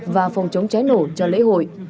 và phòng chống trái nổ cho lễ hội